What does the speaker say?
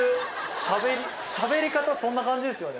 しゃべり方そんな感じですよね。